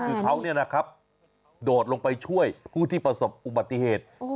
คือเขาโดดลงไปช่วยผู้ที่ประสบอุบัติเหตุ